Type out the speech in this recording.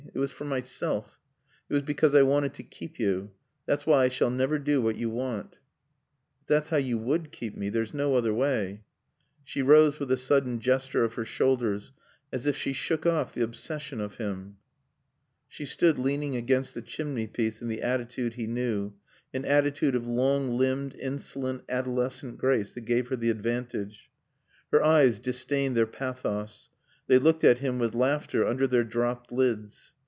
It was for myself. It was because I wanted to keep you. That's why I shall never do what you want." "But that's how you would keep me. There's no other way." She rose with a sudden gesture of her shoulders as if she shook off the obsession of him. She stood leaning against the chimney piece in the attitude he knew, an attitude of long limbed, insolent, adolescent grace that gave her the advantage. Her eyes disdained their pathos. They looked at him with laughter under their dropped lids.